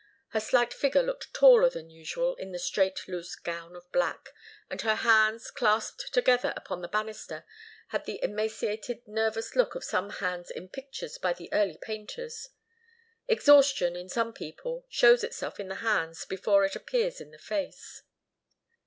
Her slight figure looked taller than usual in the straight loose gown of black, and her hands, clasped together upon the banister, had the emaciated, nervous look of some hands in pictures by the early painters. Exhaustion, in some people, shows itself in the hands before it appears in the face.